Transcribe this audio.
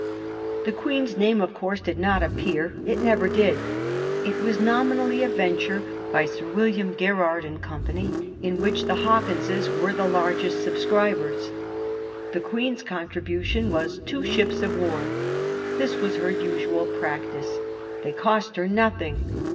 The Queen's name, of course, did not appear. It never did. It was nominally a venture by Sir William Garrard and Co., in which the Hawkinses were the largest subscribers. The Queen's contribution was two ships of war. This was her usual practice. They cost her nothing.